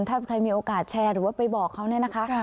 ถ้าใครมีโอกาสแชร์หรือว่าไปบอกเขาเนี่ยนะคะ